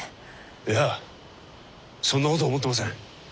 いやそんなこと思ってません。